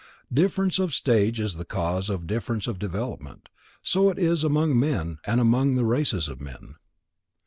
Difference of stage is the cause of difference of development. So it is among men, and among the races of men.